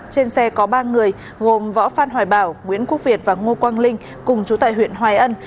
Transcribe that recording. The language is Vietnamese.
trên xe có ba người gồm võ phan hoài bảo nguyễn quốc việt và ngô quang linh cùng chú tại huyện hoài ân